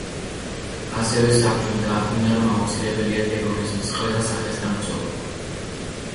ასევე საბჭომ დაადგინა, რომ აუცილებელია ტერორიზმის ყველა სახესთან ბრძოლა.